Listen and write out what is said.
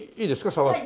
触って。